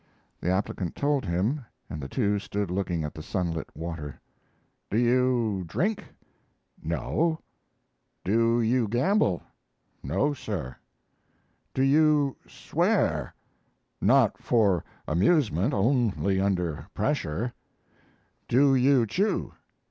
The applicant told him, and the two stood looking at the sunlit water. "Do you drink?" "No." "Do you gamble?" "No, Sir." "Do you swear?" "Not for amusement; only under pressure." "Do you chew?"